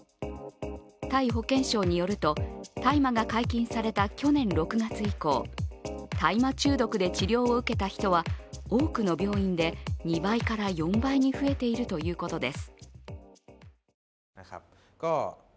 タイ保健省によると大麻が解禁された去年６月以降大麻中毒で治療を受けた人は多くの病院で２倍から４倍に増えているということです。